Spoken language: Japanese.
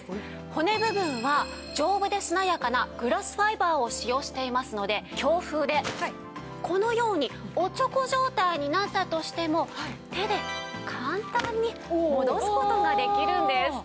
骨部分は丈夫でしなやかなグラスファイバーを使用していますので強風でこのようにおちょこ状態になったとしても手で簡単に戻す事ができるんです。